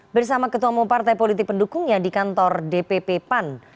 bersama ketua umum partai politik pendukungnya di kantor dpp pan